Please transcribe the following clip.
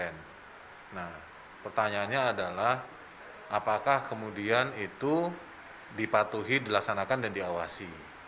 nah pertanyaannya adalah apakah kemudian itu dipatuhi dilaksanakan dan diawasi